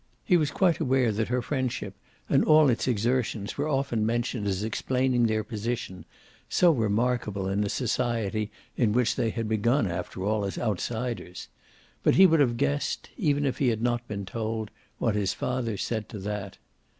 He was quite aware that her friendship and all its exertions were often mentioned as explaining their position, so remarkable in a society in which they had begun after all as outsiders. But he would have guessed, even if he had not been told, what his father said to that.